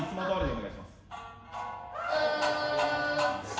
お願いします。